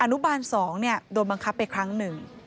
อนุบาล๒โดนบังคับไปครั้งหนึ่ง